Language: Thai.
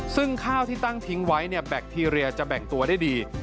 ซึ่งข้าวที่ตั้งทิ้งไว้เนี่ยแบคทีเรียจะแบ่งตัวได้ดี